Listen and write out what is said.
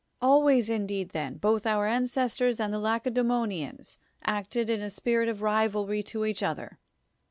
Always indeed, then, both our ancestors and thf LacediEmonians acted in a spirit of rivalry to each other.